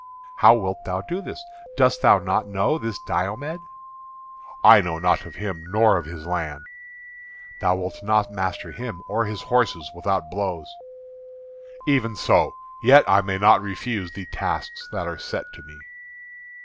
"How wilt thou do this? Dost thou not know this Diomed?" "I know naught of him, nor of his land." "Thou wilt not master him or his horses without blows." "Even so, yet I may not refuse the tasks that are set to me."